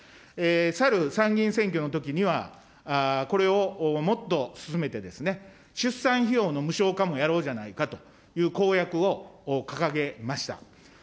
去る参議院選挙のときには、これをもっと進めてですね、出産費用の無償化もやろうじゃないかという公約を掲げました。